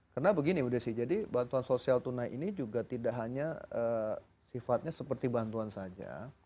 karena begini bu desi jadi bantuan sosial tunai ini juga tidak hanya sifatnya seperti bantuan saja